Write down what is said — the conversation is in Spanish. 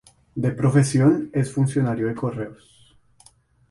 De profesión es funcionario de correos.